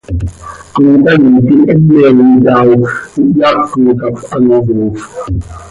Comcaii quih heme itaao, ihyaaco cap ano yoofp.